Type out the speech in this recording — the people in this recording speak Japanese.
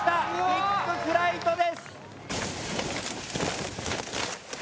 ビッグフライトです。